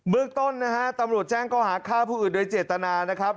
เรื่องต้นนะฮะตำรวจแจ้งก็หาฆ่าผู้อื่นโดยเจตนานะครับ